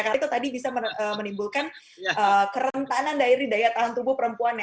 karena itu tadi bisa menimbulkan kerentanan dari daya tahan tubuh perempuannya